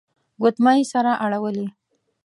ګوتمۍ يې سره اړولې.